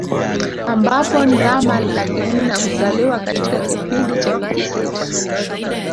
Ambapo ndama laki nne huzaliwa katika kipindi cha wiki sita